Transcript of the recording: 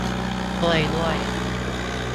ช่วยด้วย